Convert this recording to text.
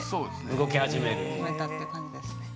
動き始める？始めたって感じですね。